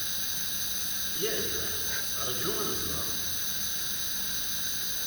Yerbeḥ, rju ad t-nẓer.